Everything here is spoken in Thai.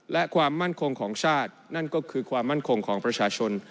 และความมั่นคงของชาตินั่นก็คือความมั่นคงของประชาชน